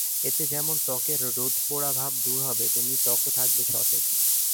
এতে যেমন ত্বকের রোদ-পোড়া ভাব দূর হবে, তেমনি ত্বকও থাকবে সতেজ।